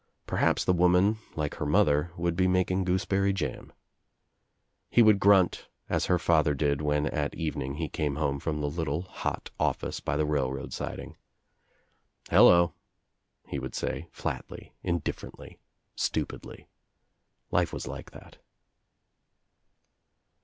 Perhaps the woman like her mother would be making gooseberry jam. He would grunt as her father did when at evening he came home from the little hot otSce by the railroad siding. "Hello," he would say, flatly, Indifierently, stupidly. Life was like that.